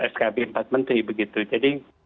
skb empat menteri begitu jadi